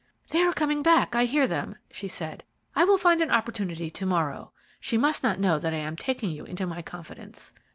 "They are coming back I hear them," she said. "I will find an opportunity to morrow. She must not know that I am taking you into my confidence."